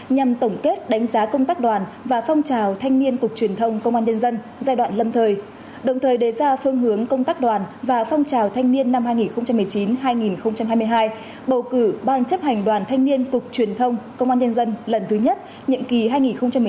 nhằm tổng kết đánh giá công tác đoàn và phong trào thanh niên cục truyền thông công an nhân dân giai đoạn lâm thời đồng thời đề ra phương hướng công tác đoàn và phong trào thanh niên năm hai nghìn một mươi chín hai nghìn hai mươi hai bầu cử ban chấp hành đoàn thanh niên cục truyền thông công an nhân dân lần thứ nhất nhiệm kỳ hai nghìn hai mươi bốn hai nghìn hai mươi sáu